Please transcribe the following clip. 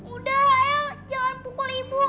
udah ayo jangan pukul ibu